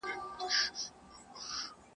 کښتۍ وان چي وه لیدلي توپانونه!.